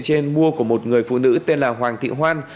trên mua của một người phụ nữ tên là hoàng thị hoan